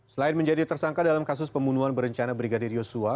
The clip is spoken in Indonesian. selain menjadi tersangka dalam kasus pembunuhan berencana brigadir yosua